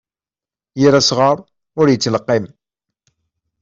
Yir asɣar, ur ttleqqim.